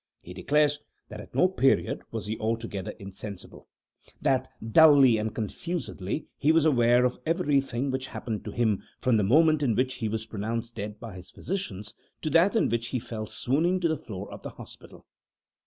He declares that at no period was he altogether insensible that, dully and confusedly, he was aware of everything which happened to him, from the moment in which he was pronounced dead by his physicians, to that in which he fell swooning to the floor of the hospital.